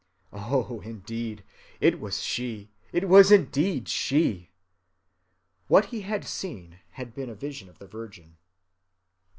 Oh, indeed, it was She! It was indeed She! [What he had seen had been a vision of the Virgin.